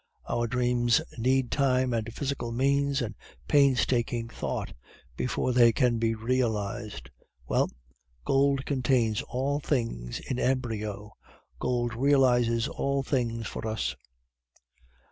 Our dreams need time and physical means and painstaking thought before they can be realized. Well, gold contains all things in embryo; gold realizes all things for us.